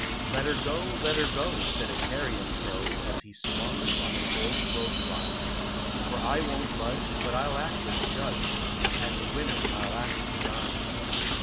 " Let er go, let er go," said a carrion crow, As he swung on an old clothes line, " For I won t budge, but I ll act as judge And the winner I ll ask to dine."